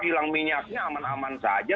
hilang minyaknya aman aman saja